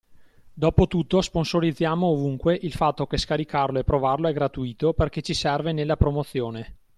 Dopotutto sponsorizziamo ovunque il fatto che scaricarlo e provarlo è gratuito perché ci serve nella promozione.